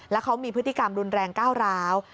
แล้วเขามีพฤติกรรมรุนแรงก้าวร้าว